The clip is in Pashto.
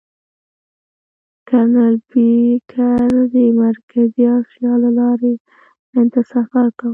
کرنل بېکر د مرکزي اسیا له لارې هند ته سفر کاوه.